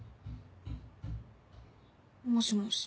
もしもし。